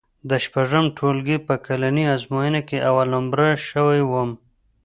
د شپږم ټولګي په کلنۍ ازموینه کې اول نومره شوی وم.